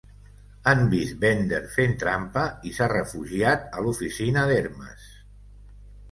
Han vist Bender fent trampa i s'ha refugiat a l'oficina d'Hermes.